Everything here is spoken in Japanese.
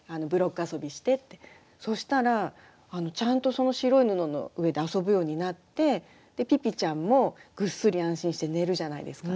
そしたらちゃんとその白い布の上で遊ぶようになってピピちゃんもぐっすり安心して寝るじゃないですか。